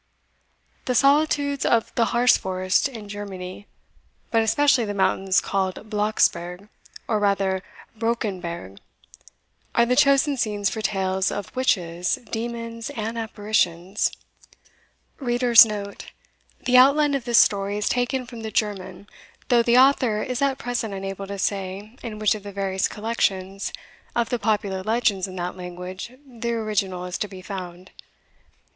The solitudes of the Harz forest in Germany, but especially the mountains called Blocksberg, or rather Brockenberg, are the chosen scenes for tales of witches, demons, and apparitions. [The outline of this story is taken from the German, though the Author is at present unable to say in which of the various collections of the popular legends in that language the original is to be found.